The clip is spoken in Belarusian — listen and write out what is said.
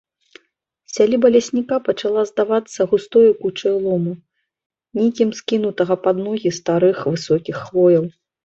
Сяліба лесніка пачала здавацца густою кучай лому, некім скінутага пад ногі старых высокіх хвояў.